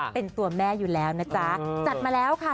เป็นตัวแม่อยู่แล้วนะจ๊ะจัดมาแล้วค่ะ